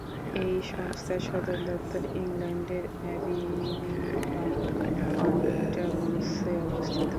এই সংস্থার সদর দপ্তর ইংল্যান্ডের অ্যাবিংডন-অন-টেমসে অবস্থিত।